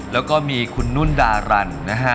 แล้วก็มีคุณนุ่นดารันนะฮะ